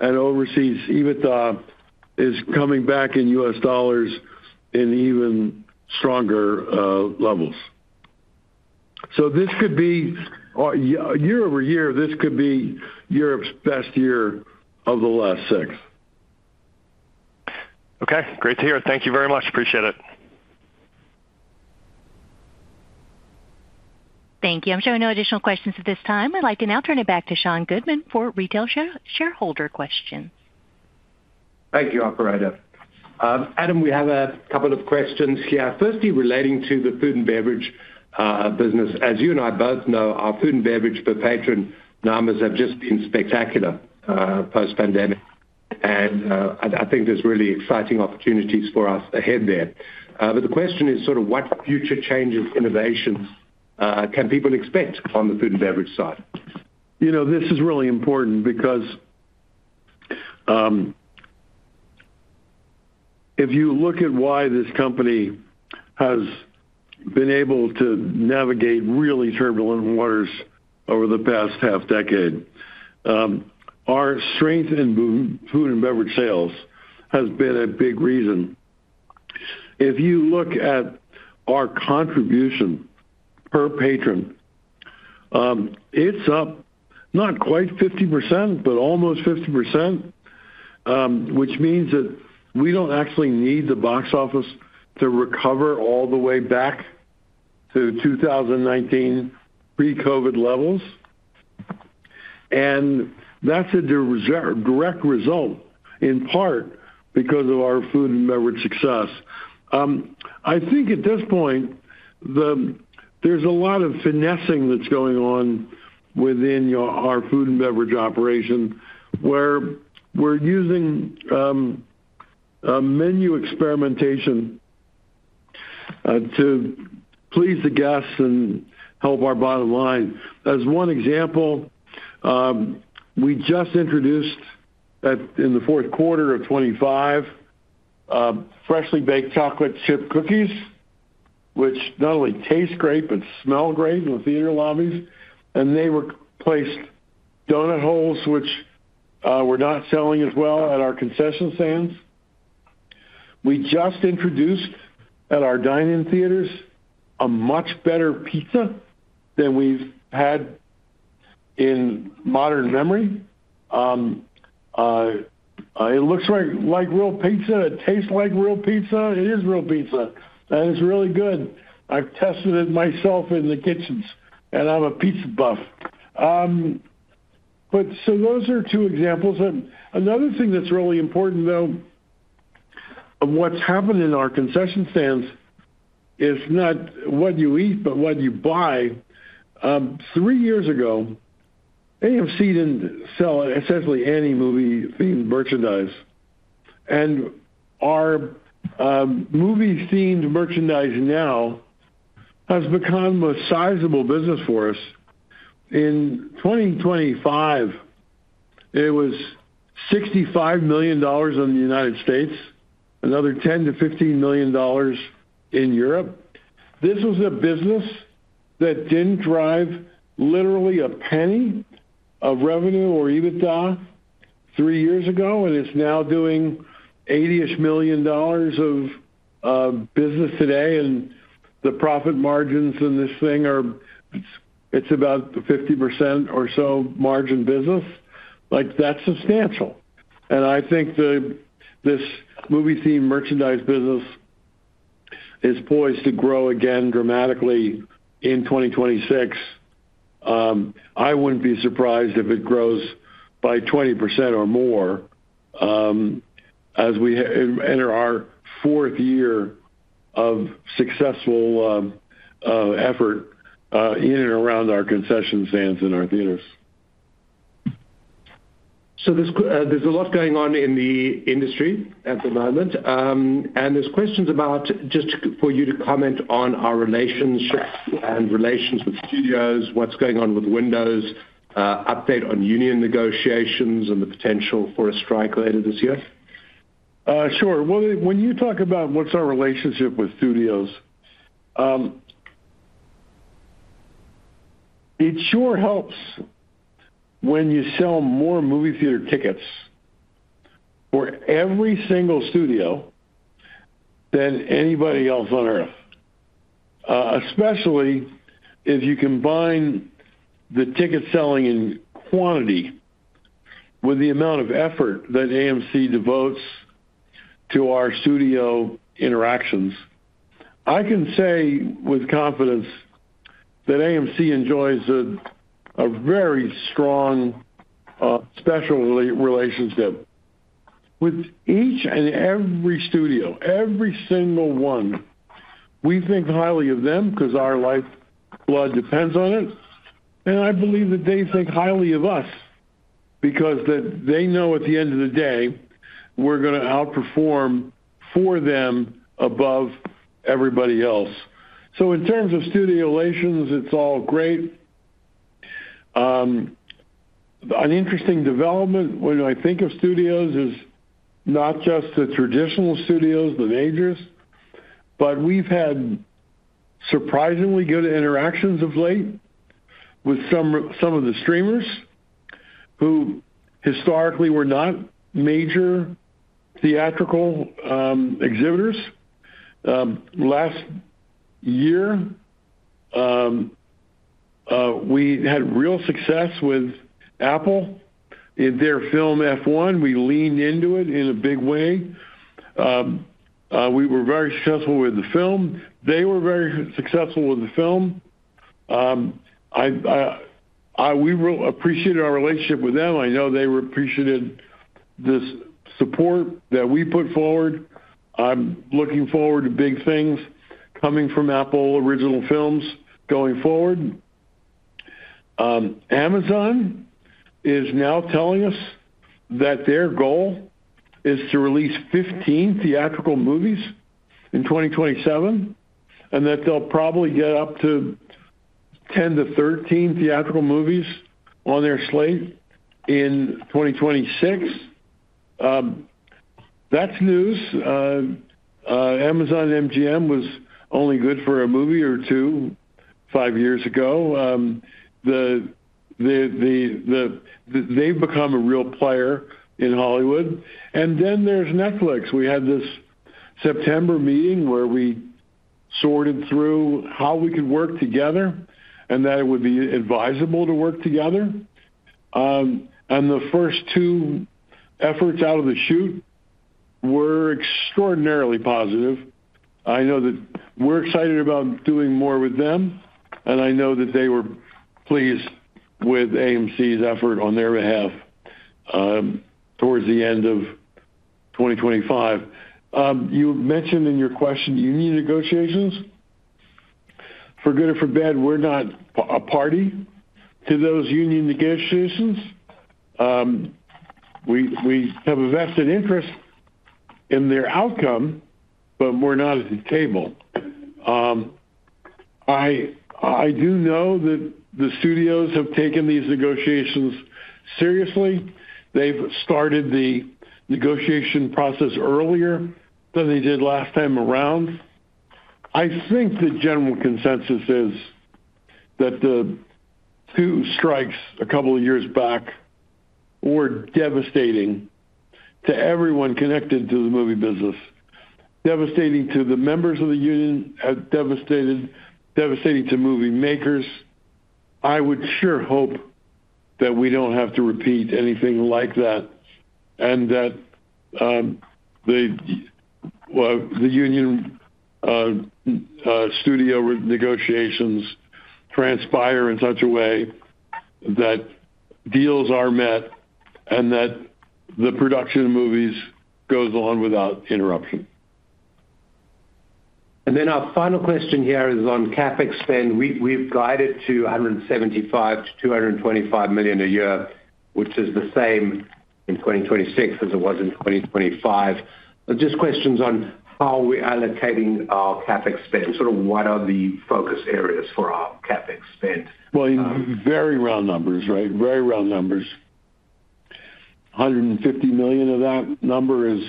and overseas EBITDA is coming back in U.S. dollars in even stronger levels. Year-over-year, this could be Europe's best year of the last six. Okay, great to hear. Thank you very much. Appreciate it. Thank you. I'm showing no additional questions at this time. I'd like to now turn it back to Sean Goodman for retail shareholder questions. Thank you, operator. Adam, we have a couple of questions here, firstly, relating to the food and beverage business. As you and I both know, our food and beverage per patron numbers have just been spectacular post-pandemic, and I think there's really exciting opportunities for us ahead there. The question is sort of what future changes, innovations, can people expect on the food and beverage side? You know, this is really important because, if you look at why this company has been able to navigate really turbulent waters over the past half decade, our strength in food and beverage sales has been a big reason. If you look at our contribution per patron, it's up not quite 50%, but almost 50%, which means that we don't actually need the box office to recover all the way back to 2019 pre-COVID levels, and that's a direct result, in part, because of our food and beverage success. I think at this point, there's a lot of finessing that's going on within your, our food and beverage operation, where we're using, a menu experimentation, to please the guests and help our bottom line. As one example, we just introduced that in the fourth quarter of 2025, freshly baked chocolate chip cookies, which not only taste great but smell great in the theater lobbies, and they replaced donut holes, which, were not selling as well at our concession stands. We just introduced, at our dine-in theaters, a much better pizza than we've had in modern memory. It looks like real pizza. It tastes like real pizza. It is real pizza, and it's really good. I've tested it myself in the kitchens, and I'm a pizza buff. Those are two examples. Another thing that's really important, though, of what's happened in our concession stands, is not what you eat, but what you buy. Three years ago, AMC didn't sell essentially any movie-themed merchandise, and our movie-themed merchandise now has become a sizable business for us. In 2025, it was $65 million in the United States, another $10 million-$15 million in Europe. This was a business that didn't drive literally a penny of revenue or EBITDA three years ago, and it's now doing $80-ish million of business today, and the profit margins in this thing are. It's about 50% or so margin business. Like, that's substantial. I think the, this movie-themed merchandise business is poised to grow again dramatically in 2026. I wouldn't be surprised if it grows by 20% or more, as we enter our fourth year of successful effort in and around our concession stands in our theaters. There's a lot going on in the industry at the moment. There's questions about just for you to comment on our relationships and relations with studios, what's going on with windows, update on union negotiations and the potential for a strike later this year? Sure. Well, when you talk about what's our relationship with studios, it sure helps when you sell more movie theater tickets for every single studio than anybody else on Earth. Especially if you combine the ticket selling in quantity with the amount of effort that AMC devotes to our studio interactions. I can say with confidence that AMC enjoys a very strong, special relationship with each and every studio, every single one. We think highly of them because our lifeblood depends on it, and I believe that they think highly of us because they know at the end of the day, we're gonna outperform for them above everybody else. In terms of studio relations, it's all great. An interesting development when I think of studios, is not just the traditional studios, the majors, but we've had surprisingly good interactions of late with some of the streamers who historically were not major theatrical exhibitors. Last year, we had real success with Apple in their film, F1. We leaned into it in a big way. We were very successful with the film. They were very successful with the film. I, we appreciated our relationship with them. I know they appreciated the support that we put forward. I'm looking forward to big things coming from Apple Original Films going forward. Amazon is now telling us that their goal is to release 15 theatrical movies in 2027, and that they'll probably get up to 10-13 theatrical movies on their slate in 2026. That's news. Amazon MGM was only good for a movie or two five years ago. They've become a real player in Hollywood. There's Netflix. We had this September meeting where we sorted through how we could work together, and that it would be advisable to work together. The first two efforts out of the chute were extraordinarily positive. I know that we're excited about doing more with them, and I know that they were pleased with AMC's effort on their behalf towards the end of 2025. You mentioned in your question, union negotiations. For good or for bad, we're not a party to those union negotiations. We have a vested interest in their outcome, but we're not at the table. I do know that the studios have taken these negotiations seriously. They've started the negotiation process earlier than they did last time around. I think the general consensus is that the two strikes a couple of years back were devastating to everyone connected to the movie business, devastating to the members of the union, devastating to movie makers. I would sure hope that we don't have to repeat anything like that, and that, the, well, the union, studio negotiations transpire in such a way that deals are met and that the production of movies goes on without interruption. Our final question here is on CapEx spend. We've guided to $175 million-$225 million a year, which is the same in 2026 as it was in 2025. Just questions on how we're allocating our CapEx spend, sort of what are the focus areas for our CapEx spend? Well, very round numbers, right? Very round numbers. $150 million of that number is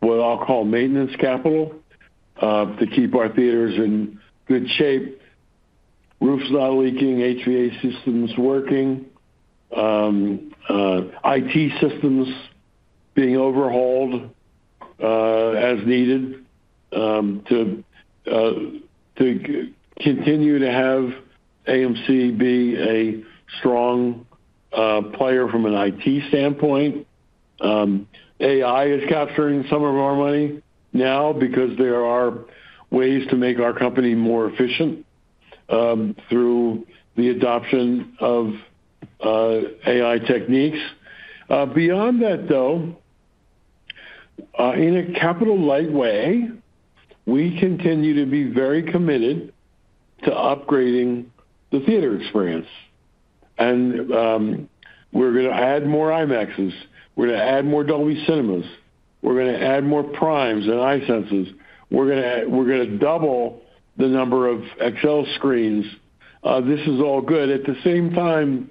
what I'll call maintenance capital to keep our theaters in good shape, roofs not leaking, HVAC systems working, IT systems being overhauled as needed to continue to have AMC be a strong player from an IT standpoint. AI is capturing some of our money now because there are ways to make our company more efficient through the adoption of AI techniques. Beyond that, though, in a capital light way, we continue to be very committed to upgrading the theater experience. We're gonna add more IMAXs, we're gonna add more Dolby Cinemas, we're gonna add more PRIMEs and iSenses. We're gonna double the number of XL screens. This is all good. At the same time,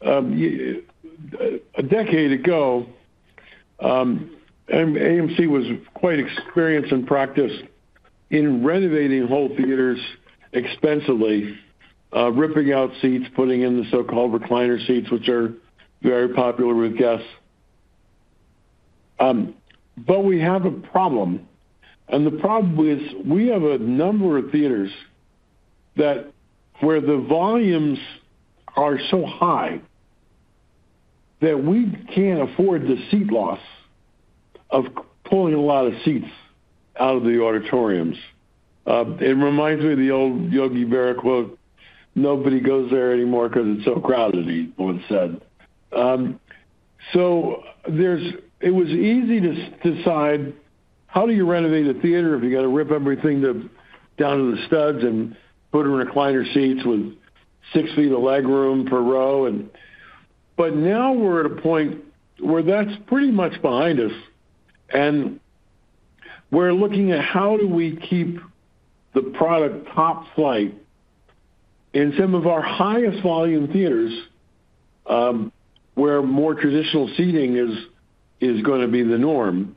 a decade ago, AMC was quite experienced in practice in renovating whole theaters expensively, ripping out seats, putting in the so-called recliner seats, which are very popular with guests. We have a problem, and the problem is, we have a number of theaters that where the volumes are so high that we can't afford the seat loss of pulling a lot of seats out of the auditoriums. It reminds me of the old Yogi Berra quote: "Nobody goes there anymore because it's so crowded," he once said. It was easy to decide, how do you renovate a theater if you got to rip everything to down to the studs and put in recliner seats with six feet of legroom per row? But now we're at a point where that's pretty much behind us, and we're looking at how do we keep the product top flight in some of our highest volume theaters, where more traditional seating is going to be the norm.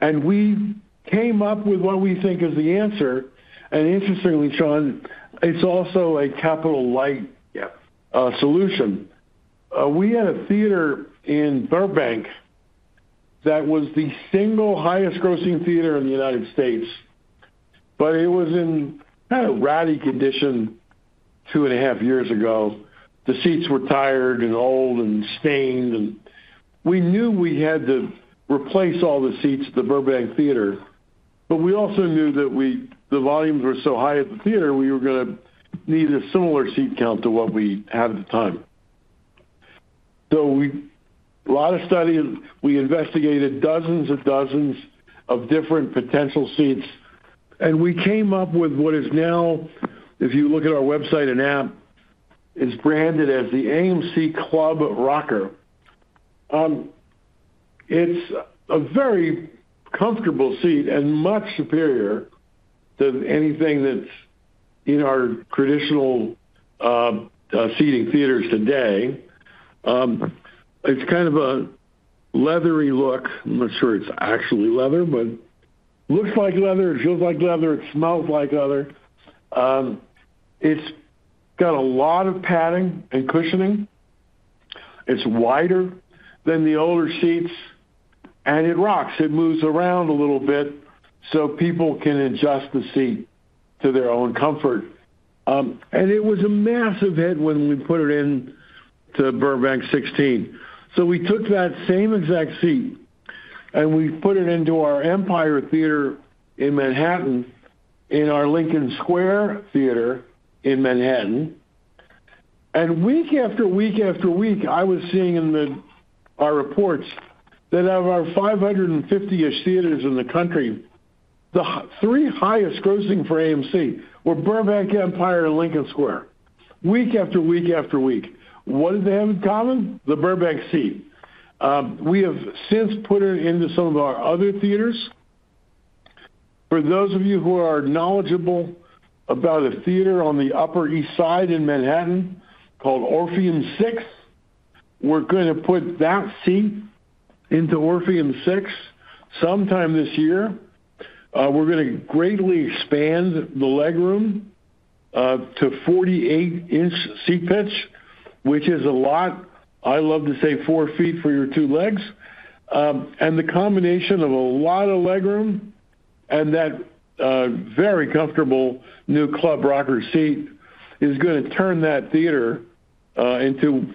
We came up with what we think is the answer. Interestingly, Sean, it's also a capital light- Yes. solution. We had a theater in Burbank that was the single highest grossing theater in the United States, but it was in kind of ratty condition two and a half years ago. The seats were tired and old and stained, and we knew we had to replace all the seats at the Burbank Theater. We also knew that the volumes were so high at the theater, we were going to need a similar seat count to what we had at the time. A lot of studies, we investigated dozens and dozens of different potential seats, and we came up with what is now, if you look at our website and app, is branded as the AMC Club Rocker. It's a very comfortable seat and much superior than anything that's in our traditional seating theaters today. It's kind of a leathery look. I'm not sure it's actually leather, but looks like leather. It feels like leather. It smells like leather. It's got a lot of padding and cushioning. It's wider than the older seats. It rocks. It moves around a little bit. People can adjust the seat to their own comfort. It was a massive hit when we put it in to Burbank 16. We took that same exact seat. We put it into our Empire Theater in Manhattan, in our Lincoln Square Theater in Manhattan. Week after week after week, I was seeing in our reports that out of our 550-ish theaters in the country, the three highest grossing for AMC were Burbank, Empire, and Lincoln Square, week after week after week. What did they have in common? The Burbank seat. We have since put it into some of our other theaters. For those of you who are knowledgeable about a theater on the Upper East Side in Manhattan called Orpheum 6, we're going to put that seat into Orpheum 6 sometime this year. We're going to greatly expand the legroom to 48-inch seat pitch, which is a lot. I love to say four feet for your two legs. The combination of a lot of legroom and that very comfortable new Club Rocker seat is going to turn that theater into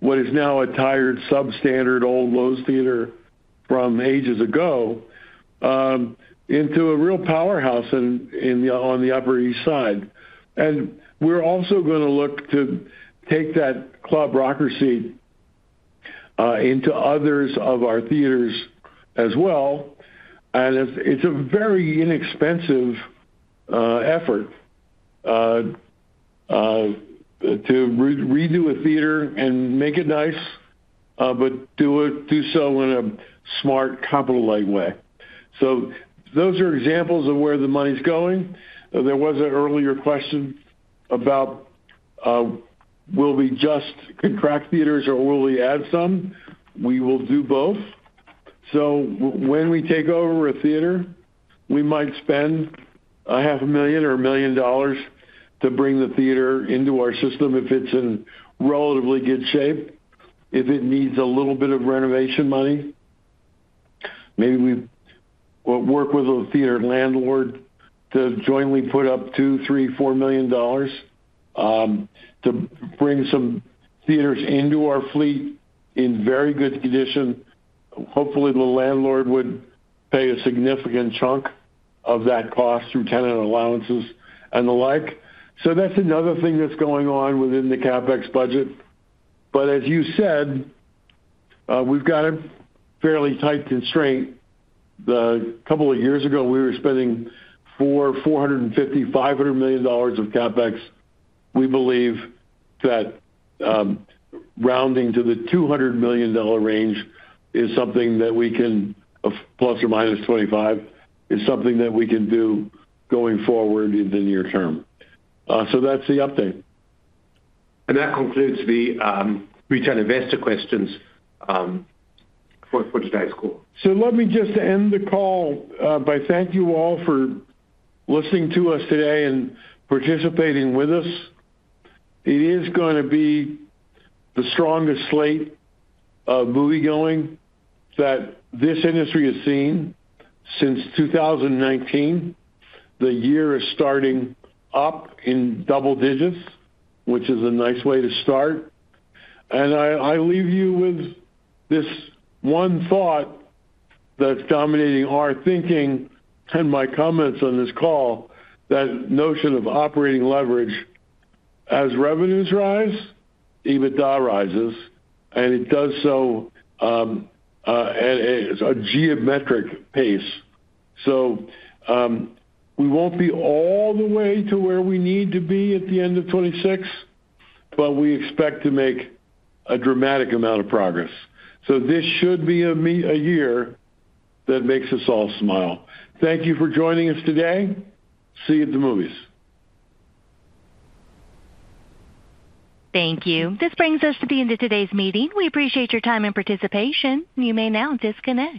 what is now a tired, substandard, old Loews Theatres from ages ago into a real powerhouse in the Upper East Side. We're also going to look to take that Club Rocker seat into others of our theaters as well. It's a very inexpensive effort to redo a theater and make it nice, but do so in a smart, capital light way. Those are examples of where the money's going. There was an earlier question about will we just contract theaters or will we add some? We will do both. When we take over a theater, we might spend a half a million or $1 million to bring the theater into our system if it's in relatively good shape. If it needs a little bit of renovation money, maybe we will work with a theater landlord to jointly put up 2, 3, $4 million to bring some theaters into our fleet in very good condition. Hopefully, the landlord would pay a significant chunk of that cost through tenant allowances and the like. That's another thing that's going on within the CapEx budget. As you said, we've got a fairly tight constraint. Couple of years ago, we were spending $450 million-$500 million of CapEx. We believe that, rounding to the $200 million range is something that we can, ±25, is something that we can do going forward in the near term. That's the update. That concludes the retail investor questions for today's call. Let me just end the call by thank you all for listening to us today and participating with us. It is going to be the strongest slate of moviegoing that this industry has seen since 2019. The year is starting up in double digits, which is a nice way to start. I leave you with this one thought that's dominating our thinking and my comments on this call, that notion of operating leverage. As revenues rise, EBITDA rises, and it does so at a geometric pace. We won't be all the way to where we need to be at the end of 2026, but we expect to make a dramatic amount of progress. This should be a year that makes us all smile. Thank you for joining us today. See you at the movies. Thank you. This brings us to the end of today's meeting. We appreciate your time and participation. You may now disconnect.